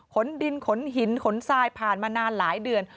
ขนดินขนหินขนทรายผ่านมานานหลายเดือน